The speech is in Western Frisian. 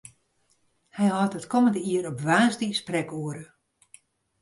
Hy hâldt it kommende jier op woansdei sprekoere.